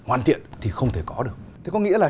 hoàn thiện thì không thể có được thế có nghĩa là